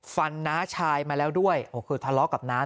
ฟันนะชายมาแล้วด้วยโอ้คือทะเลาะกับนะ